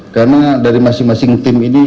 karena dari masing masing tim ini